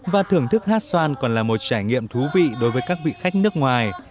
và thưởng thức hát xoan còn là một trải nghiệm thú vị đối với các vị khách nước ngoài